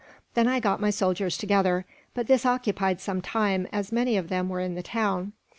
Then I got my soldiers together; but this occupied some time, as many of them were in the town.